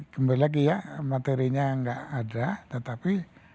kembali lagi ya materinya nggak ada tetapi